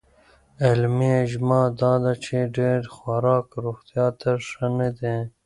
علمي اجماع دا ده چې ډېر خوراک روغتیا ته ښه نه دی.